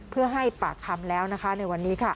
เพื่อให้ปากคำแล้วในวันนี้